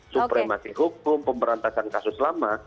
supremasi hukum pemberantasan kasus lama